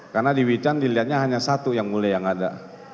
karena di wican dilihatnya hanya satu yang mulia yang ada